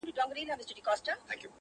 گراني ټوله شپه مي.